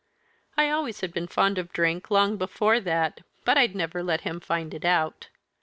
I always had been fond of drink long before that, but I'd never let him find it out.